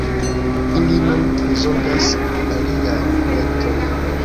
Ili nun prizorgas aliajn projektojn.